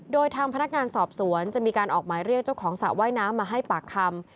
โดยทางพนักงานสอบสวนจะมีการออกหมายเรียกเจ้าของสระว่ายน้ำมาให้ปากคำ